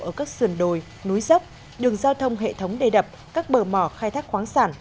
ở các sườn đồi núi dốc đường giao thông hệ thống đầy đập các bờ mỏ khai thác khoáng sản